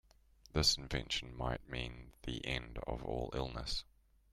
This invention might mean the end of all illness.